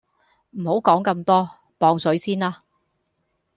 唔好講咁多，磅水先啦！